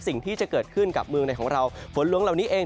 สิ่งที่จะเกิดขึ้นกับเมืองในของเราฝนล้วงเหล่านี้เอง